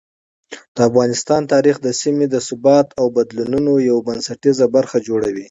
د افغانستان تاریخ د سیمې د ثبات او بدلونونو یو بنسټیزه برخه جوړوي.